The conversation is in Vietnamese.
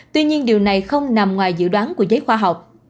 tuy nhiên điều này không nằm ngoài dự đoán của giới khoa học